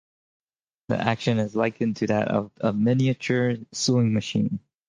The action is likened to that of a "miniature sewing machine".